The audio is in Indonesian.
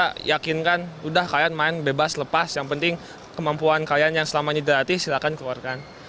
kita yakinkan udah kalian main bebas lepas yang penting kemampuan kalian yang selamanya di hati silahkan keluarkan